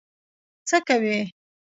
څه کوې؟